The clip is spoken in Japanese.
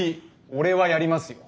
俺はやりますよ。